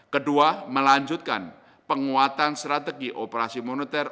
kedua melanjutkan penguatan strategi operasi moneter